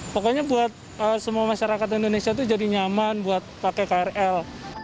pokoknya buat semua masyarakat indonesia itu jadi nyaman buat pakai krl